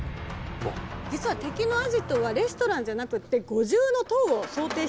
実は敵のアジトはレストランじゃなくて五重の塔を想定していました。